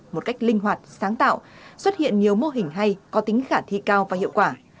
một cách linh hoạt sáng tạo xuất hiện nhiều mô hình hay có tính khả thi cao và hiệu quả